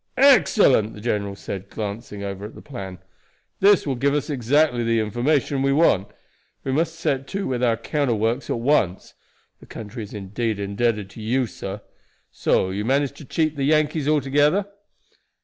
"Excellent!" the general said, glancing over the plan. "This will give us exactly the information we want. We must set to with our counter works at once. The country is indeed indebted to you, sir. So you managed to cheat the Yankees altogether?"